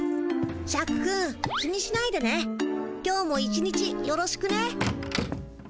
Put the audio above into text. シャクくん気にしないでね今日も一日よろしくね。